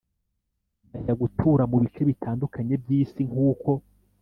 bajya gutura mu bice bitandukanye by isi nk uko